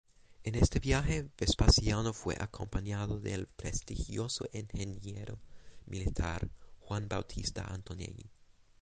En este viaje, Vespasiano fue acompañado del prestigioso ingeniero militar Juan Bautista Antonelli.